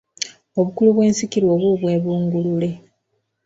Obukulu bw’ensikirwa oba obwebungulule.